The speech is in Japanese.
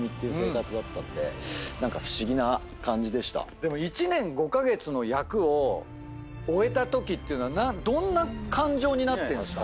でも１年５カ月の役を終えたときっていうのはどんな感情になってんですか？